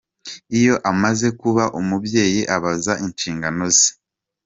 Iyo amaze kuba umubyeyi, aba azi inshingano ze.